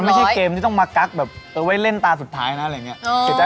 ไม่ใช่เกมที่ต้องมากั๊กแบบเอาไว้เล่นตาสุดท้ายนะอะไรอย่างนี้